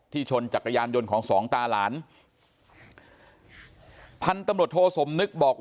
ที่ชนจักรยานยนต์ของสองตาหลานพันธบทโทสมนึกบอกว่า